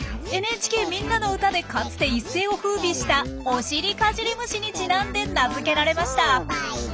「ＮＨＫみんなのうた」でかつて一世をふうびした「おしりかじり虫」にちなんで名づけられました。